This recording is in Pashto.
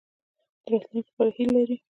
د راتلونکي لپاره هیله لرئ؟